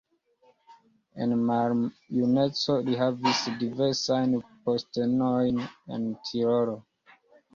En maljuneco li havis diversajn postenojn en Tirolo.